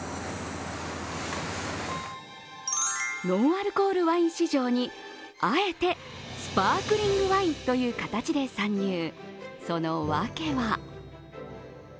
ノンアルコールワイン市場にあえてスパークリングワインという形で参入。